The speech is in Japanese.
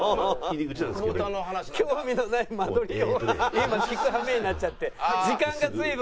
興味のない間取りを今聞く羽目になっちゃって時間が随分。